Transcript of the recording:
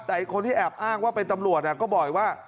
แต่คนที่แอบอ้างว่าเป็นตำรวจก็บอกว่า